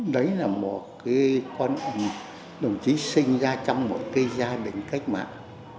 đấy là một con đồng chí sinh ra trong một gia đình cách mạng